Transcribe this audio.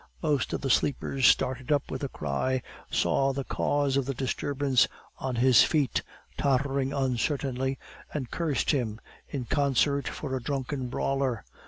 Most of the sleepers started up with a cry, saw the cause of the disturbance on his feet, tottering uncertainly, and cursed him in concert for a drunken brawler.